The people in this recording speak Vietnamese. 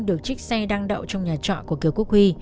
được chiếc xe đăng đậu trong nhà trọ của huy